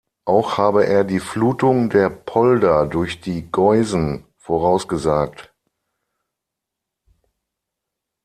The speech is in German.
Auch habe er die Flutung der Polder durch die Geusen vorausgesagt.